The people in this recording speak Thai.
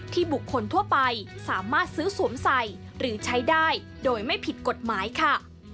บุคคลทั่วไปสามารถซื้อสวมใส่หรือใช้ได้โดยไม่ผิดกฎหมายค่ะ